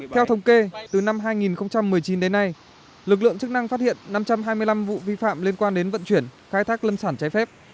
theo thống kê từ năm hai nghìn một mươi chín đến nay lực lượng chức năng phát hiện năm trăm hai mươi năm vụ vi phạm liên quan đến vận chuyển khai thác lâm sản trái phép